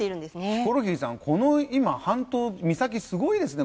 ヒコロヒーさんこの今半島岬すごいですね